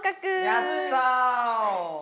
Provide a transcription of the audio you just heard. やった！